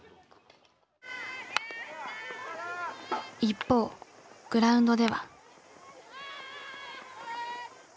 一方グラウンドでは。